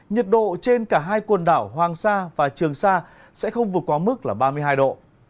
nhiệt độ trên cả hai quần đảo hoàng sa và trường sa sẽ không vượt qua mức là ba mươi hai độ